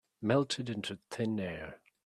Melted into thin air